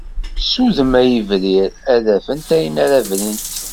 Ssuddem a yibrir, ad afent ayen ara brint.